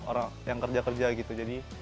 orang yang kerja kerja gitu jadi